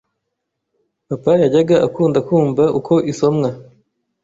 papa yajyaga akunda kumva uko isomwa,